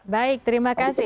baik terima kasih